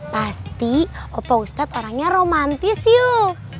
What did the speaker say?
pasti opo ustadz orangnya romantis yuk